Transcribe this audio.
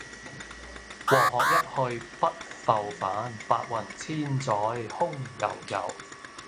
黃鶴一去不復返，白云千載空悠悠。